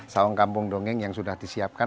saung kampung dongeng yang sudah disiapkan